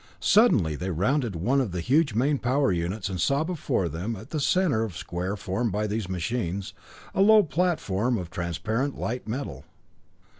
Suddenly they rounded one of the huge main power units, and saw before them, at the center of square formed by these machines, a low platform of transparent light metal.